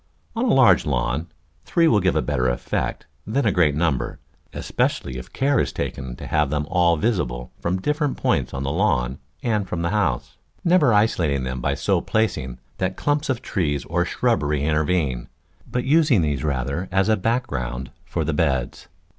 On a large lawn three will give a better effect than a great number, especially if care is taken to have them all visible from different points on the lawn and from the house, never isolating them by so placing that clumps of trees or shrubbery in tervene, but using these rather as a background for the beds.